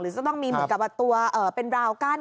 จะต้องมีเหมือนกับตัวเป็นราวกั้น